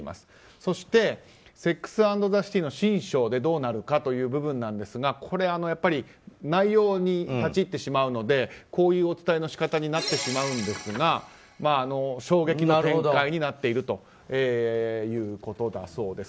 そして、「セックス・アンド・ザ・シティ」の新章でどうなるかという部分なんですが内容に立ち入ってしまうのでこういうお伝えの仕方になってしまうんですが衝撃の展開になっているということだそうです。